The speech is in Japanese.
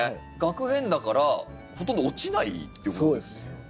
萼片だからほとんど落ちないっていうことですよね。